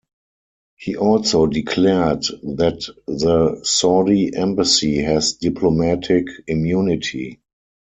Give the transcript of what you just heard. He also declared that the Saudi Embassy has diplomatic immunity.